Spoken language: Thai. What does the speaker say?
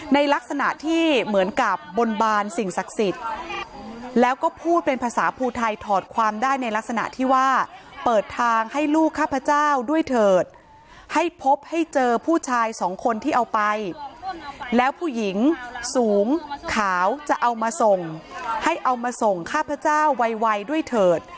ในลักษณะที่เหมือนกับบนบานสิ่งศักดิ์สิทธิ์แล้วก็พูดเป็นภาษาภูไทยถอดความได้ในลักษณะที่ว่าเปิดทางให้ลูกข้าพเจ้าด้วยเถิดให้พบให้เจอผู้ชายสองคนที่เอาไปแล้วผู้หญิงสูงขาวจะเอามาส่งให้เอามาส่งข้าพเจ้าไวด้วยเถิด